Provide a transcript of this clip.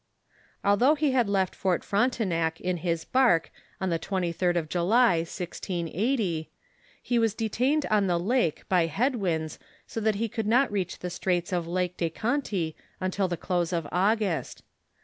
I' I I 1 ■\m Although he had left Fort Frontenac in his bark on the 23d of July, 1680, he was detained on the lake by head winds BO that he could not reach the straits of lake de Gonty till the close of August.